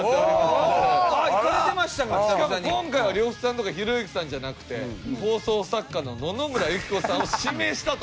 しかも今回は呂布さんとかひろゆきさんじゃなくて放送作家の野々村友紀子さんを指名したと。